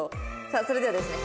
さあそれではですね